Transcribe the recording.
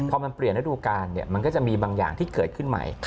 พอมันเปลี่ยนฤดูการมันก็จะมีบางอย่างที่เกิดขึ้นใหม่